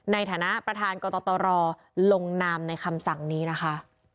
ในฐานะประธานกตรลงนามในคำสั่งนี้นะคะ